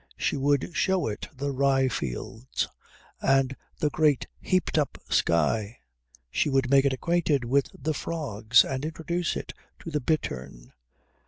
She would show it the rye fields, and the great heaped up sky. She would make it acquainted with the frogs, and introduce it to the bittern.